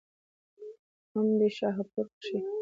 هم دې شاهپور کښې